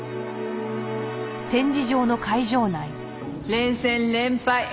連戦連敗。